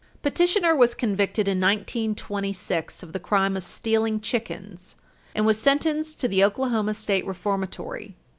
Petitioner was convicted in 1926 of the crime of stealing chickens, and was sentenced to the Oklahoma State Reformatory.